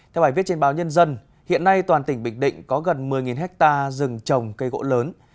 theo bài viết trên báo nhân dân hiện nay toàn tỉnh bình định có gần một mươi hectare rừng trồng cây gỗ lớn